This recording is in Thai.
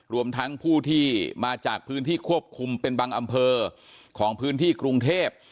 รวมทั้งผู้ที่มาจากพื้นที่ควบคุมเป็นบางอำเภอของพื้นที่กรุงเทพ